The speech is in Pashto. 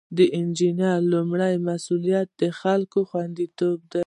د انجینر لومړی مسؤلیت د خلکو خوندیتوب دی.